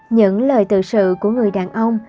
những lời tự sự của người đàn ông